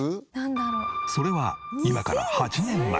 それは今から８年前。